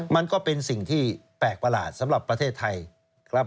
มันก็เป็นสิ่งที่แปลกประหลาดสำหรับประเทศไทยครับ